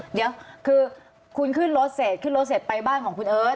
เดี๋ยวคือคุณขึ้นรถเสร็จขึ้นรถเสร็จไปบ้านของคุณเอิร์ท